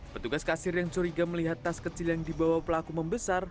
petugas kasir yang curiga melihat tas kecil yang dibawa pelaku membesar